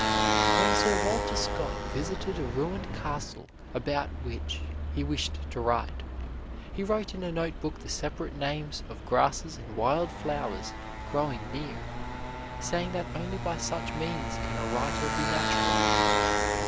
When Sir Walter Scott visited a ruined castle about which he wished to write, he wrote in a notebook the separate names of grasses and wild flowers growing near, saying that only by such means can a writer be natural.